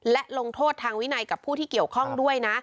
และลงโทษทางวินัยกับผู้ที่เกี่ยวข้องด้วยนะ